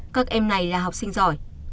các em này là học sinh giỏi